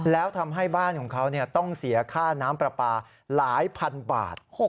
แล้วทำให้บ้านของเขาต้องเสียค่าน้ำปลาปลาหลายพันบาท